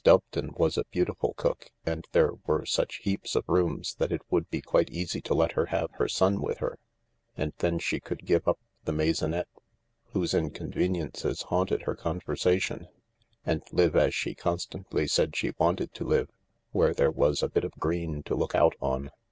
Doveton was a beautiful cook, and there were such heaps of rooms that it would be quite easy to let her have her son with her, and then she could give up the maisonette, whose inconveniences haunted her conversation, and live as she constantly said she wanted to live — where there was a bit of green to look out on.